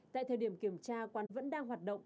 tại thời điểm kiểm tra quán vẫn đang hoạt động